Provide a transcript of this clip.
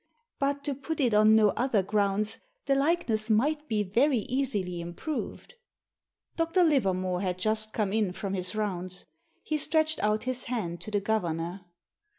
"But, to put it on no other grounds, the likeness might be very easily improved." Dr. Livermore had just come in from his rounds. He stretched out his hand to the governor.